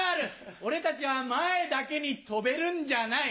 俺たちは前だけに跳べるんじゃない。